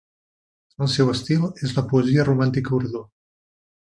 El seu estil és la poesia romàntica urdú.